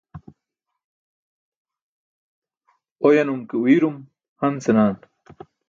Oyanum ke uuyrum han senaa.